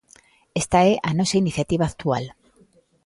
Esta é a nosa iniciativa actual.